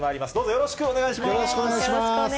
よろしくお願いします。